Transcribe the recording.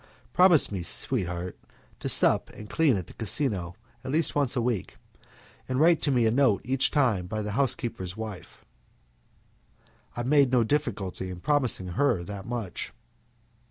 Promise me, sweetheart, to sup and sleep at the casino at least once a week, and write me a note each time by the housekeeper's wife." I made no difficulty in promising her that much.